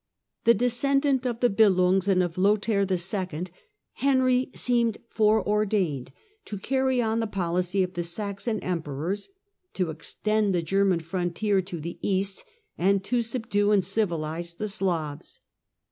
The descendant *®^^^ of the Billungs and of Lothair 11. (see Table II.), Henry seemed foreordained to carry on the policy of the Saxon Emperors, to extend the German frontier to the east, and to subdue and civilize the Slavs.